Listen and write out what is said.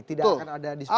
tidak akan ada disparitas